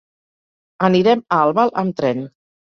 Anirem a Albal amb tren.